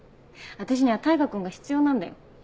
私には大牙君が必要なんだよ